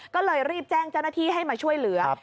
ก็เลยรีบแจ้งเจ้าหน้าที่ให้มาช่วยเหลือ